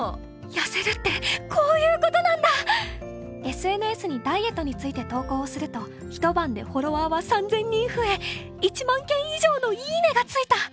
ＳＮＳにダイエットについて投稿をすると一晩でフォロワーは３０００人増え、一万件以上の『いいね！』がついた。